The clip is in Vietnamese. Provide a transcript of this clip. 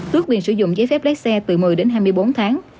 tuyết quyền sử dụng giấy phép lái xe từ một mươi hai mươi bốn tháng